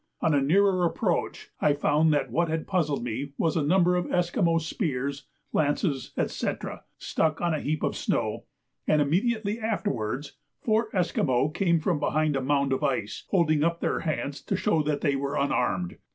On a nearer approach I found that what had puzzled me was a number of Esquimaux spears, lances, &c. stuck on a heap of snow; and immediately afterwards four Esquimaux came from behind a mound of ice, holding up their hands to show that they were unarmed.